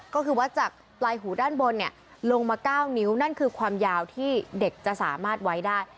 ก็คือวัดจากปลายหูด้านบนลงมา๙นิ้วนั่นคือความยาวที่เด็กจะสามารถไว้ได้